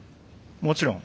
もちろん。